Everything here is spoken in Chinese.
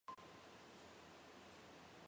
他以维多利亚女王的名字为之命名。